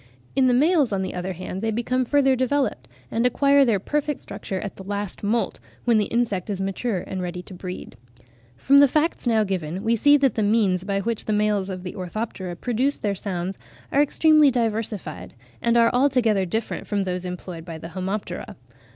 In the males, on the other hand, they become further developed, and acquire their perfect structure at the last moult, when the insect is mature and ready to breed. From the facts now given, we see that the means by which the males of the Orthoptera produce their sounds are extremely diversified, and are altogether different from those employed by the Homoptera.